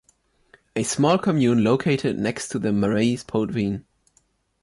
A small commune located next to the Marais Poitevin.